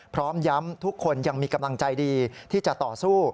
พร้อมย้ำทุกคนยังมีกำลังใจดีที่จะต่อสู้